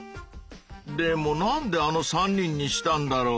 でもなんであの３人にしたんだろう？